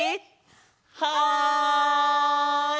はい！